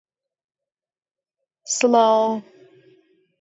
ڕیتی ڕازا! بە قامک تێیگەیاندم ژمارە یازدە ئاودەستە